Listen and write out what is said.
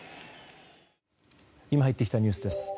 今入ってきたニュースです。